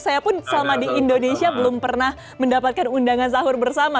saya pun selama di indonesia belum pernah mendapatkan undangan sahur bersama